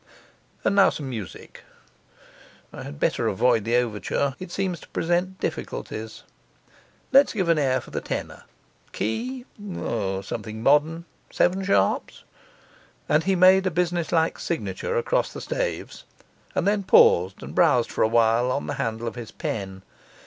And now some music: I had better avoid the overture; it seems to present difficulties. Let's give an air for the tenor: key O, something modern! seven sharps.' And he made a businesslike signature across the staves, and then paused and browsed for a while on the handle of his pen.